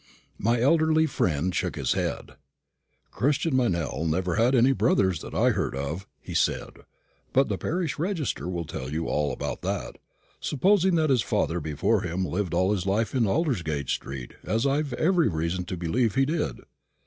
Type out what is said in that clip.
My elderly friend shook his head. "Christian Meynell never had any brothers that I heard of," he said; "but the parish register will tell you all about that, supposing that his father before him lived all his life in Aldersgate street, as I've every reason to believe he did."